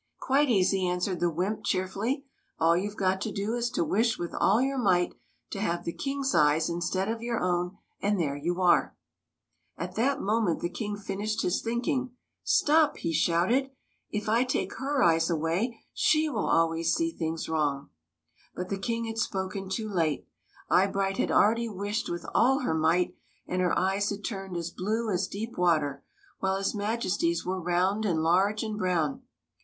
" Quite easy," answered the wymp, cheer fully. "All you Ve got to do is to wish with all your might to have the King's eyes instead of your own, and there you are !" At that moment the King finished his think ing. " Stop !" he shouted. " If I take her eyes away, she will always see things wrong !" But the King had spoken too late. Eye bright had already wished with all her might, and her eyes had turned as blue as deep water while his Majesty's were round and large and brown.